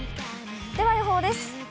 では予報です。